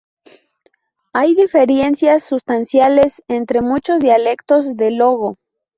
Hay diferencias sustanciales entre muchos dialectos de Logo.